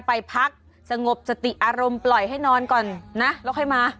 ไปพักสงบสติอารมณ์ปล่อยให้นอนก่อนนะแล้วค่อยมา